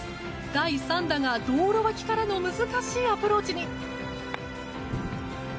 第３打が道路脇からの難しいアプローチに。